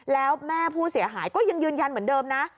แล้วแม่ผู้เสียหายก็ยังยืนยันเหมือนเดิมนะ